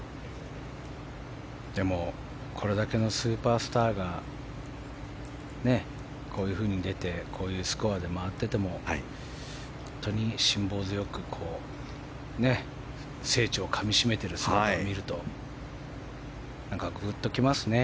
でもこれだけのスーパースターがこういうふうに出てこういうスコアで回ってても本当に辛抱強く聖地をかみしめている姿を見ると、グッときますね。